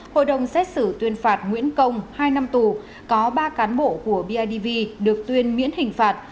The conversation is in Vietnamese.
hội đồng xét xử tuyên phạt nguyễn công hai năm tù có ba cán bộ của bidv được tuyên miễn hình phạt